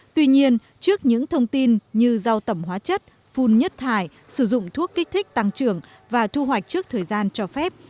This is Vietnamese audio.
tuy nhiên trước những thông tin như rau tẩm hóa chất phun nhất thải sử dụng thuốc kích thích tăng trưởng và thu hoạch trước thời gian cho phép